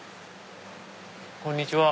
こんにちは。